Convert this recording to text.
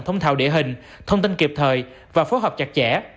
thông thạo địa hình thông tin kịp thời và phối hợp chặt chẽ